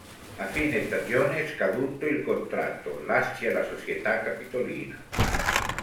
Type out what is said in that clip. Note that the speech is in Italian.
A fine stagione, scaduto il contratto, lascia la società capitolina.